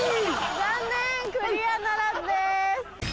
残念クリアならずです。